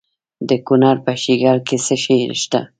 د کونړ په شیګل کې څه شی شته؟